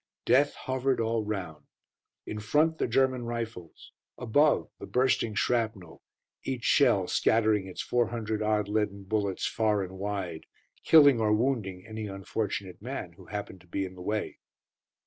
Death hovered all round. In front the German rifles, above the bursting shrapnel, each shell scattering its four hundred odd leaden bullets far and wide, killing or wounding any unfortunate man who happened to be in the way.